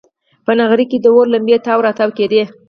په نغري کې د اور لمبې تاو راتاو کېدې.